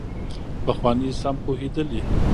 پخواني سم پوهېدلي.